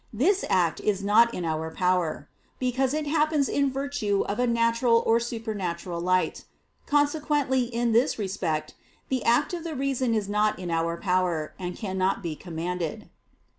This act is not in our power: because it happens in virtue of a natural or supernatural light. Consequently in this respect, the act of the reason is not in our power, and cannot be commanded.